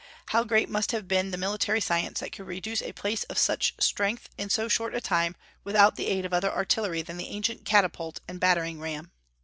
How great must have been the military science that could reduce a place of such strength, in so short a time, without the aid of other artillery than the ancient catapult and battering ram!